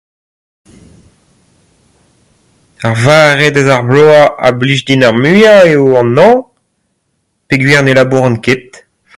Ar mare eus ar bloaz a blij din ar muiañ eo an hañv peogwir ne labouran ket.